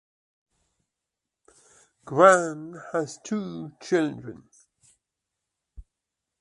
Grahn has two children.